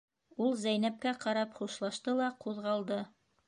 Ул Зәйнәпкә ҡарап хушлашты ла ҡуҙғалды.